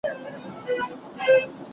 زمونږ اقتصاد به په راتلونکي کال کي وده کوي.